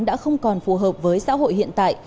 đã không còn phù hợp với xã hội hiện tại